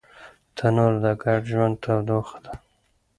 تنور د ګډ ژوند تودوخه ده